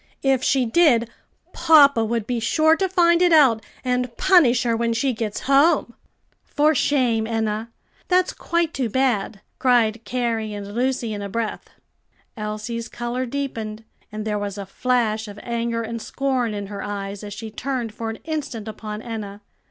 If she did, papa would be sure to find it out and punish her when she gets home." "For shame, Enna! that's quite too bad!" cried Carrie and Lucy in a breath. Elsie's color deepened, and there was a flash of anger and scorn in her eyes as she turned for an instant upon Enna.